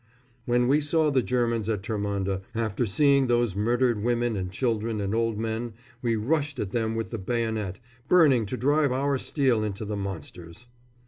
When we saw the Germans at Termonde, after seeing those murdered women and children and old men, we rushed at them with the bayonet, burning to drive our steel into the monsters.